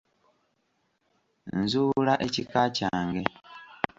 Nzuula ekika kyange.